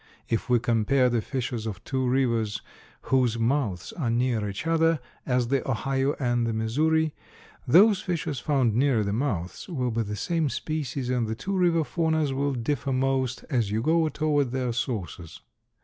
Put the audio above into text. If we compare the fishes of two rivers whose mouths are near each other, as the Ohio and the Missouri, those fishes found near the mouths will be the same species and the two river faunas will differ most as you go toward their sources.